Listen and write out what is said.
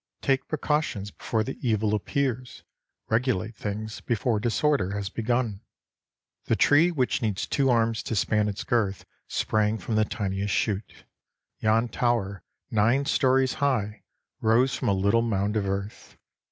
Take pre cautions before the evil appears ; regulate things before disorder has begun. The tree which needs two arms to span its girth sprang from the tiniest shoot. Yon tower, nine storeys high, rose from a little mound of earth.